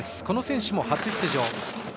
この選手も初出場。